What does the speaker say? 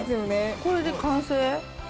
これで完成？